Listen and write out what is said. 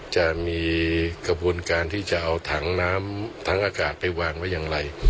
จะมีกระบวนการที่จะเอาถังน้ำถังอากาศไปวางไว้อย่างไร